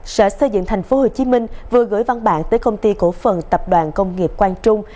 sở xây dựng tp hcm vừa gửi văn bản tới công ty cổ phần tập đoàn công nghiệp quang trung